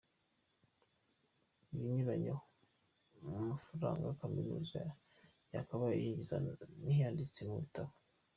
Ikinyuranyo mu mafaranga Kaminuza yakabaye yinjiza n’ayanditse mu bitabo.